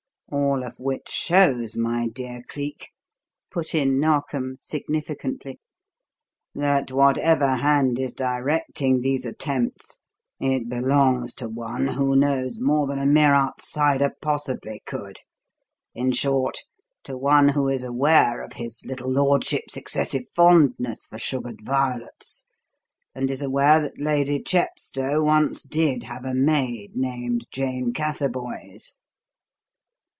"All of which shows, my dear Cleek," put in Narkom significantly, "that, whatever hand is directing these attempts, it belongs to one who knows more than a mere outsider possibly could: in short, to one who is aware of his little lordship's excessive fondness for sugared violets, and is aware that Lady Chepstow once did have a maid named Jane Catherboys."